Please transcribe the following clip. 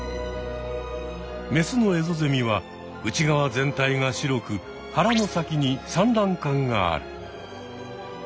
メスのエゾゼミは内側全体が白く腹の先に産卵管がある。